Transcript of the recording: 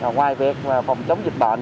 ngoài việc phòng chống dịch bệnh